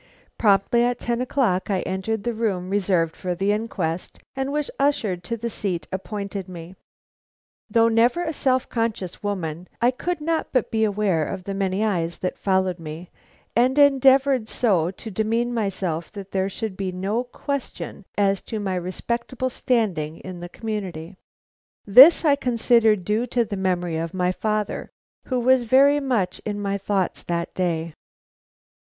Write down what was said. Promptly at ten o'clock I entered the room reserved for the inquest, and was ushered to the seat appointed me. Though never a self conscious woman, I could not but be aware of the many eyes that followed me, and endeavored so to demean myself that there should be no question as to my respectable standing in the community. This I considered due to the memory of my father, who was very much in my thoughts that day.